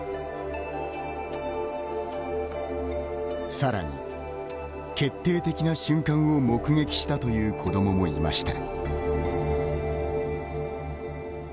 さらに、決定的な瞬間を目撃したという子どももいました。